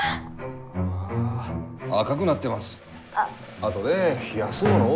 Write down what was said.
あとで冷やすものを。